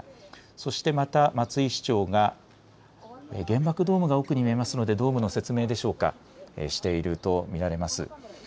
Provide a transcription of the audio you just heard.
そしてまた松井市長が原爆ドームが奥に見えますのでドームの説明でしょうか、していると見られます。